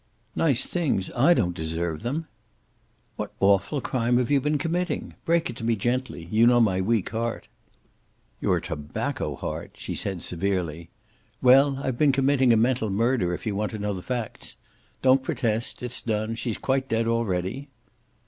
"Nice things! I don't deserve them." "What awful crime have you been committing? Break it to me gently. You know my weak heart." "Your tobacco heart!" she said, severely. "Well, I've been committing a mental murder, if you want to know the facts. Don't protest. It's done. She's quite dead already."